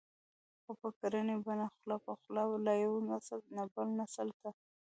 او په ګړنۍ بڼه خوله په خوله له يوه نسل نه بل نسل ته